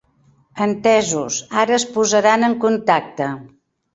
Entesos, ara es posaran en contacte.